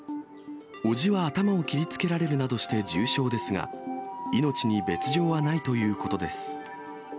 おじは頭を切りつけるなどして重傷ですが、命に別状はないということです。